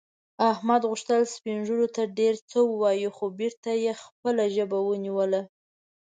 احمد غوښتل سپین ږیرو ته ډېر څه ووايي، خو بېرته یې خپله ژبه ونیوله.